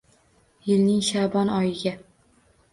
Yilning sha’bon oyiga